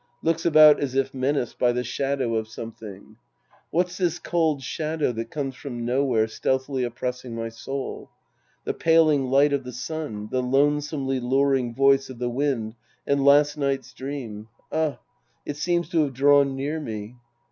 Looks about as if menaced by the shadow of something^ What's this cold shadow that comes from nowhere stealthily oppressing my soul? The paling light of the sun, the lonesomely luring voice of the wind and last night's dream — ah, it seems to have drawn near me.